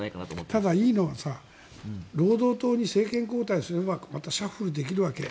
ただ、いいのは労働党に政権交代すればまたシャッフルできるわけ。